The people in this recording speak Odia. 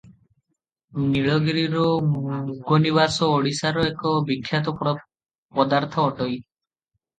ନୀଳଗିରିର ମୁଗନିବାସନ ଓଡ଼ିଶାର ଏକ ବିଖ୍ୟାତ ପଦାର୍ଥ ଅଟଇ ।